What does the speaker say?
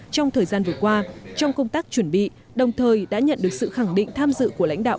trong thời gian vừa qua trong công tác chuẩn bị đồng thời đã nhận được sự khẳng định tham dự của lãnh đạo